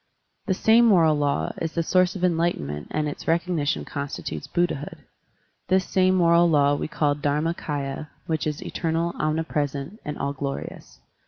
This same moral law is the source of enlight enment and its recognition constitutes Buddha hood. This same moral law we call Dharmakdya, which is eternal, omnipresent, and all glorious.